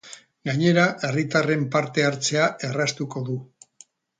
Gainera, herritarren parte-hartzea erraztuko du.